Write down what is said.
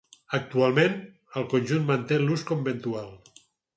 Actualment, el conjunt manté l'ús conventual.